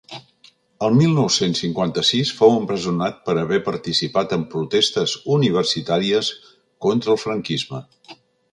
El mil nou-cents cinquanta-sis fou empresonat per haver participat en protestes universitàries contra el franquisme.